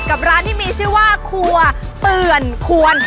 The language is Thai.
ร้านที่มีชื่อว่าครัวเปื่อนควร